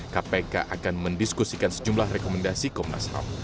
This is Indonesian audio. kpk akan mendiskusikan sejumlah rekomendasi komnas ham